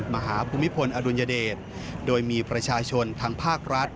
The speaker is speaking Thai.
ภูมิพลอดุลยเดชโดยมีประชาชนทางภาครัฐ